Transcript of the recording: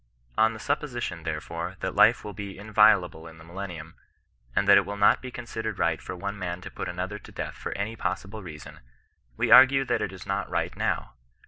On the supposition, therefore, that life will be inviolable in the mUlennium, and that it will not be considered right for one man to put another to death for any possible reason, we argue that it is not right now.